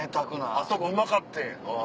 あそこうまかって。